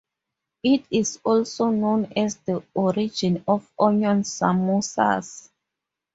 It is also known as the origin of onion samosas.